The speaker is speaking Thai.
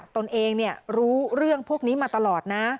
ตนเองรู้เรื่องพวกนี้มาตลอดนะ